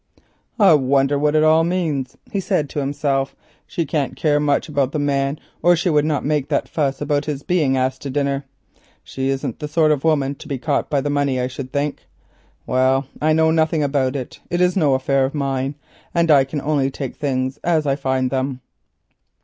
"I wonder what it all means," he said to himself. "She can't care about the man much or she would not make that fuss about his being asked to dinner. Ida isn't the sort of woman to be caught by the money, I should think. Well, I know nothing about it; it is no affair of mine, and I can only take things as I find them."